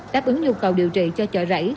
đáp ứng nhu cầu điều trị cho chợ rảy